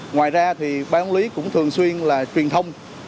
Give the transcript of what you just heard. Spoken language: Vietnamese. ngoài ra thì báo lý cũng thường xuyên là truyền thông